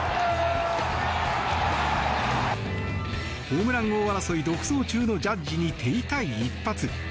ホームラン王争い独走中のジャッジに手痛い一発。